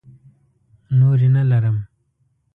نورې نه لرم.